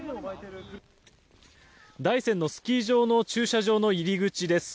大山のスキー場の駐車場の入り口です。